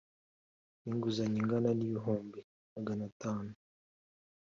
n inguzanyo ingana n ibihumbi magatanu